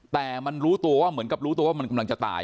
แต่มันรู้ตัวว่าเหมือนกับรู้ตัวว่ามันกำลังจะตาย